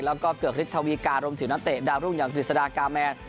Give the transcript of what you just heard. แล้วก็เกือกฤทธวีการรวมถึงนักเตะดาวรุ่งอย่างกฤษฎากาแมน